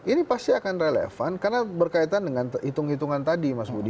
ini pasti akan relevan karena berkaitan dengan hitung hitungan tadi mas budi